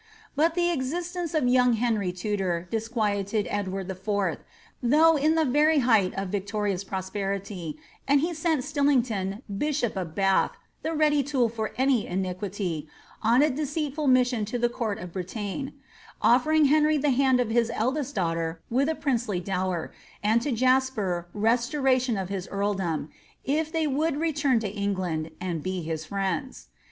But the existence of young Henry Tudor disquieted Edward IV., though in the very height of victorious prosperity, and he sent Stilling ton, bishop of Bath (me ready tool for any iniquity), on a deceitful mission to the court of Bretagne, oflering Henry tlie hand of his eldest daughter with a princely dower, and to Jasper restoration of his earldoTOf if they would return to England and be his friends.